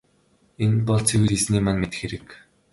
Энэ бол цэвэр Эзэний маань мэдэх хэрэг.